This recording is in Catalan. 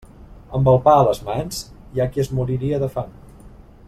Amb el pa a les mans, hi ha qui es moriria de fam.